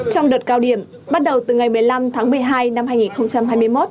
trong đợt cao điểm bắt đầu từ ngày một mươi năm tháng một mươi hai năm hai nghìn hai mươi một